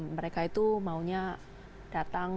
mereka itu maunya datang